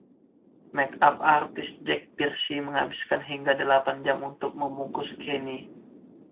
Make-up artist Jack Pierce menghabiskan hingga delapan jam untuk membungkus Chaney.